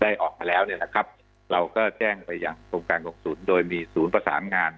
ได้ออกมาแล้วเนี่ยแหละครับเราก็แจ้งไปอย่างตรงการโรคสูลส์โดยมีสูตรประสาทงาน